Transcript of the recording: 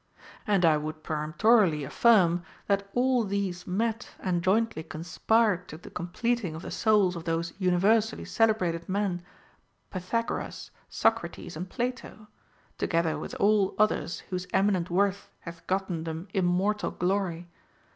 And I would peremptorily affirm that all these met and jointly conspired to the completing of the souls of those univer sally celebrated men, Pythagoras, Socrates, and Plato, together Avith all others whose eminent ΛVorth hath gotten them immortal glory.